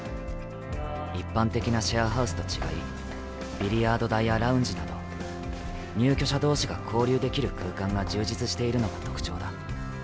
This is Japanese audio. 一般的なシェアハウスと違いビリヤード台やラウンジなど入居者同士が交流できる空間が充実しているのが特徴だ。